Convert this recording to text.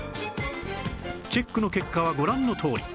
チェックの結果はご覧のとおり